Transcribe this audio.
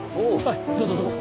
どうぞどうぞ。